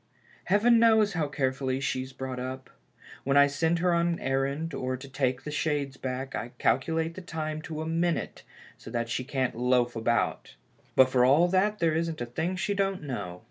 Heaven knows how carefully she's brought up. When I send her on an errand, or to take the shades back, I calculate the time to a minute so that she can't loaf about, but for all that there isn't a thing she don't know.